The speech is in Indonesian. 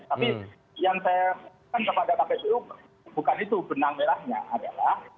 tapi yang saya kan kepada kppu bukan itu benang merahnya adalah